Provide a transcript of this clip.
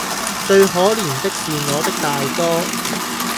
最可憐的是我的大哥，